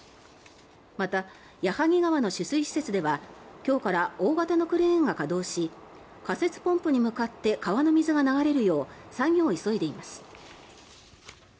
また、矢作川の取水施設では今日から大型のクレーンが稼働し仮設ポンプに向かって川の水が流れるよう作業を急いでいます。